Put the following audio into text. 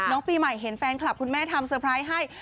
น้องปีใหม่เห็นแฟนคลับคุณแม่ทำเตอร์ไพรส์ให้